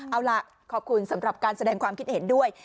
เอาล่ะขอบคุณสำหรับการแสดงความคิดเห็นด้วย